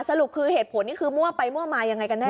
สรุปคือเหตุผลนี้คือมั่วไปมั่วมายังไงกันแน่